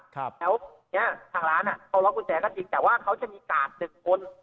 แล้วเนี้ยทางร้านอ่ะเขาล็อกกุญแจก็จริงแต่ว่าเขาจะมีกาดหนึ่งคน